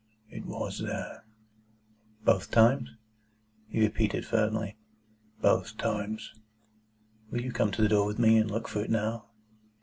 "It WAS there." "Both times?" He repeated firmly: "Both times." "Will you come to the door with me, and look for it now?"